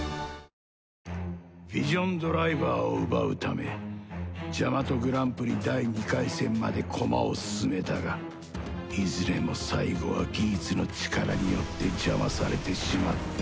ヴィジョンドライバーを奪うためジャマトグランプリ第２回戦まで駒を進めたがいずれも最後はギーツの力によって邪魔されてしまった